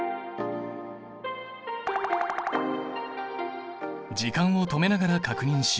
時間を止めながら確認しよう。